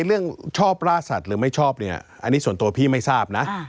เรื่องชอบล่าสัตว์หรือไม่ชอบเนี่ยอันนี้ส่วนตัวพี่ไม่ทราบนะ